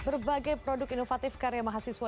berbagai produk inovatif karya mahasiswa